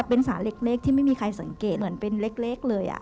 เป็นสารเล็กที่ไม่มีใครสังเกตเหมือนเป็นเล็กเลย